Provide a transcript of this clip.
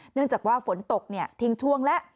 เนื่องจากว่าฝนตกทิ้งช่วงแล้ว